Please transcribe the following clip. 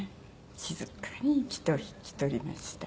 静かに息を引き取りました。